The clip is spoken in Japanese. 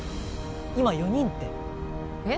今「４人」ってえっ！？